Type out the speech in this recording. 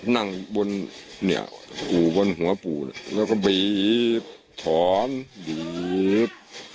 นั่งบนอูบนหัวปู่แล้วก็บีบถอมบีบ